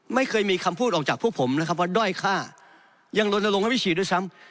ไม่เคยมีคำพูดออกจากพวกผมนะครับว่าด้อยค่ายังลนลงให้วิธีด้วยซ้ำ